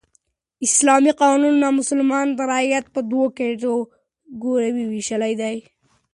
اسلامي قانون نامسلمان رعیت په دوو کېټه ګوریو ویشلى دئ.